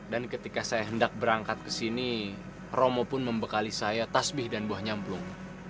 dan ketika saya hendak berangkat ke sini romo pun membekali saya tasbih dan buah nyamplung